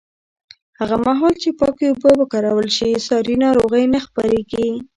هغه مهال چې پاکې اوبه وکارول شي، ساري ناروغۍ نه خپرېږي.